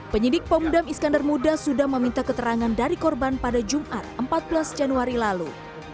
penyidik pomdam iskandar muda sudah meminta keterangan dari korban pada jumat empat belas januari lalu